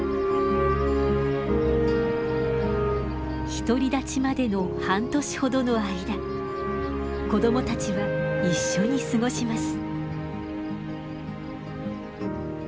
独り立ちまでの半年ほどの間子供たちは一緒に過ごします。